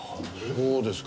そうですか。